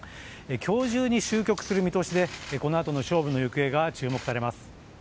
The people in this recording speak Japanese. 今日中に終局する見通しでこのあとの勝負の行方が注目されます。